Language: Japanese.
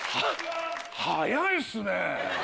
は早いっすね。